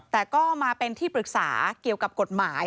แต่ก็มาเป็นที่ปรึกษาเกี่ยวกับกฎหมาย